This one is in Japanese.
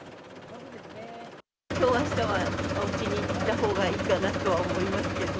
きょう、あしたはおうちにいたほうがいいかなとは思いますけど。